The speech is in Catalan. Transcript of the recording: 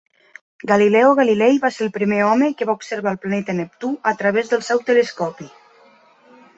Galileo Galilei va ser el primer home que va observar el planeta Neptú a través del seu telescopi.